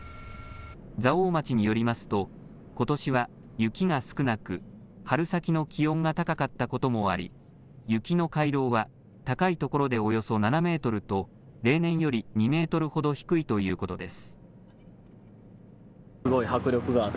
蔵王町によりますとことしは雪が少なく春先の気温が高かったこともあり雪の回廊は高いところでおよそ７メートルと例年より２メートルほど低いということです。